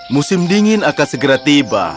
musim dingin akan segera tiba